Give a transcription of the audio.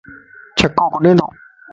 چھڪو ڪڏي تو؟